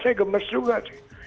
saya gemes juga sih